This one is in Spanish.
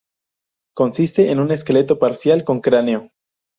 Consiste de un esqueleto parcial con cráneo.